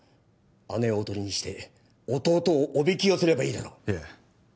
姉を囮にして弟をおびき寄せればいいだろういえ